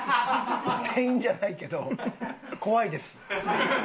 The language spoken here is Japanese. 店員じゃないけど怖いです。